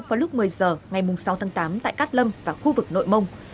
vào lúc một mươi giờ ngày sáu tháng tám tại cát lâm và khu vực nội mông